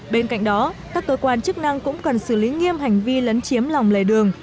bên cạnh đó các cơ quan chức năng cũng cần xử lý nghiêm hành vi lấn chiếm lòng lề đường